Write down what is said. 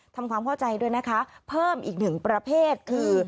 ทำความเข้าใจด้วยนะคะเพิ่มอีกหนึ่งประเภทคือ